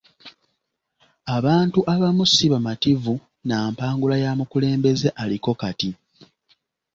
Abantu abamu si ba mativu na mpangula ya mukulembeze aliko kati.